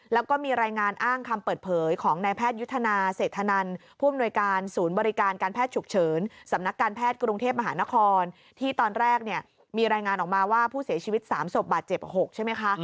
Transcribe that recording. แล้วก็มีรายงานอ้างคำเปิดเผยของนายแพทยุทธนาเศรษฐนันผู้อำนวยการศูนย์บริการการแพทย์ฉุกเฉินสำนักการแพทย์กรุงเทพมหานครที่ตอนแรกเนี่ยมีรายงานออกมาว่าผู้เสียชีวิต๓ศพบาดเจ็บ๖ใช่ไหมคะ